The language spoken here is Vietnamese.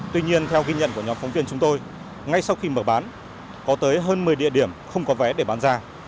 tuy nhiên theo ghi nhận của nhóm phóng viên chúng tôi ngay sau khi mở bán có tới hơn một mươi địa điểm không có vé để bán ra